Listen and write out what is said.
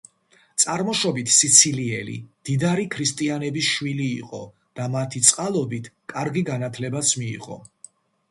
წარმოშობით სიცილიელი, მდიდარი ქრისტიანების შვილი იყო და მათი წყალობით კარგი განათლებაც მიიღო.